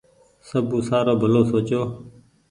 سبو سآرو ڀلو سوچو۔